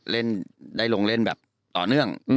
เล่นได้ลงเล่นแบบต่อเนื่อง